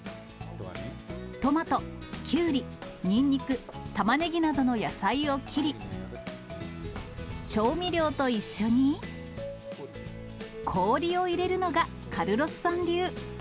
トマト、キュウリ、ニンニク、タマネギなどの野菜を切り、調味料と一緒に、氷を入れるのがカルロスさん流。